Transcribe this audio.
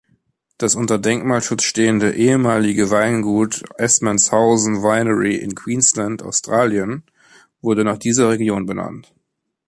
Das unter Denkmalschutz stehende ehemalige Weingut Assmanshausen Winery in Queensland, Australien, wurde nach dieser Region benannt.